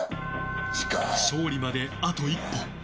勝利まであと一歩！